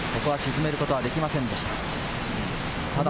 ここは沈めることはできませんでした。